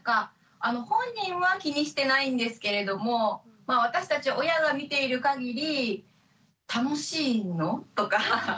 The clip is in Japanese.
本人は気にしてないんですけれども私たち親が見ている限り楽しいの？とか。